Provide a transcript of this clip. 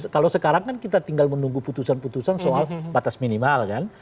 kalau sekarang kan kita tinggal menunggu putusan putusan soal batas minimal kan